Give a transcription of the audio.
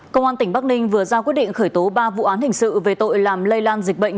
công an tỉnh bắc ninh vừa ra quyết định khởi tố ba vụ án hình sự về tội làm lây lan dịch bệnh